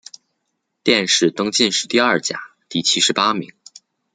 殿试登进士第二甲第七十八名。